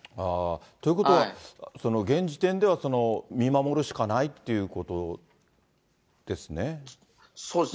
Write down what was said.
ということは、現時点では見守るしかないってことですね？